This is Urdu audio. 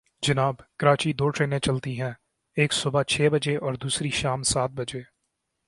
جناب، کراچی دو ٹرینیں چلتی ہیں، ایک صبح چھ بجے اور دوسری شام سات بجے۔